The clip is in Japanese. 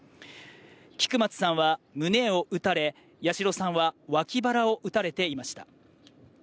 菊松さんは胸を撃たれ、八代さんは脇腹を撃たれていました。